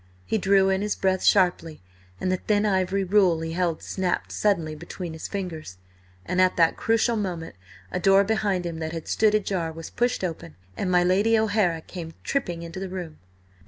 He drew in his breath sharply and the thin ivory rule he held snapped suddenly between his fingers. And at that crucial moment a door behind him that had stood ajar was pushed open, and my Lady O'Hara came tripping into the room.